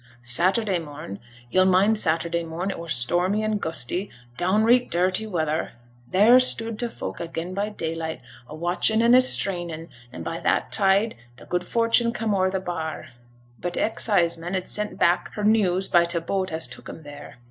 Saturday morn yo'll mind Saturday morn, it were stormy and gusty, downreet dirty weather theere stood t' folk again by daylight, a watching an' a straining, and by that tide t' Good Fortune came o'er t' bar. But t' excisemen had sent back her news by t' boat as took 'em there.